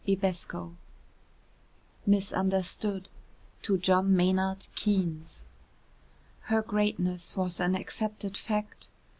X MISUNDERSTOOD [To JOHN MAYNARD KEYNES] Her greatness was an accepted fact.